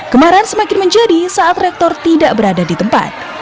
kemarahan semakin menjadi saat rektor tidak berada di tempat